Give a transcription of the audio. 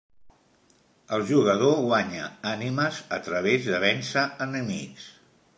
El jugador guanya ànimes a través de vèncer enemics.